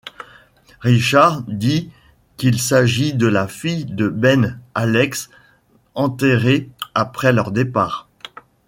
Richard dit qu'il s'agit de la fille de Ben, Alex, enterrée après leur départ.